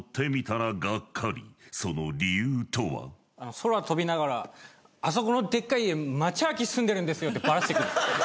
空飛びながら「あそこのでっかい家マチャアキ住んでるんですよ」ってバラしてくる。